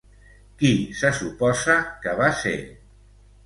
Qui se suposa que va ser?